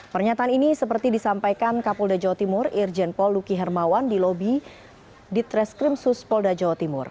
pernyataan ini seperti disampaikan kapolda jawa timur irjen pol luki hermawan di lobby di treskrim sus polda jawa timur